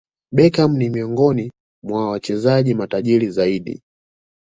Beckham ni miongoni mwa wachezaji matajiri zaidi